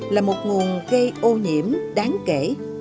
là một nguồn gây ô nhiễm đáng kể